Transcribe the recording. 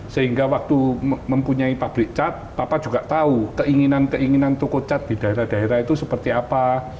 sehingga waktu mempunyai public cat papa juga tahu keinginan keinginan toko cat di daerah daerah itu seperti apa